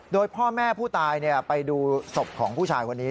โดยพ่อแม่ผู้ตายไปดูศพของผู้ชายคนนี้